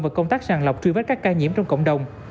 và công tác sàng lọc truy vết các ca nhiễm trong cộng đồng